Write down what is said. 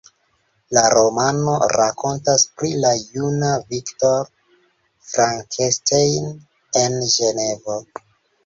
La romano rakontas pri la juna Victor Frankenstein el Ĝenevo.